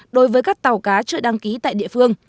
đối với các tàu cá chưa đăng ký tại địa phương